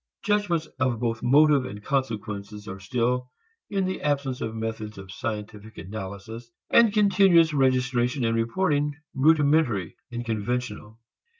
Judgments of both motive and consequences are still, in the absence of methods of scientific analysis and continuous registration and reporting, rudimentary and conventional.